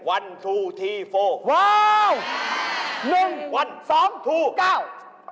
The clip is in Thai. ว้าว๑๒๙ว้าว๑๒๙